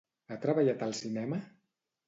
Ha treballat al cinema?